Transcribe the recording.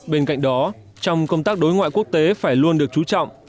bên cạnh đó trong công tác đối ngoại quốc tế phải luôn được chú trọng